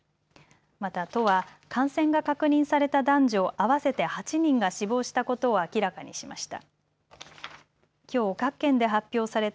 また都は、感染が確認された男女合わせて８人が死亡したことを明らかにしました。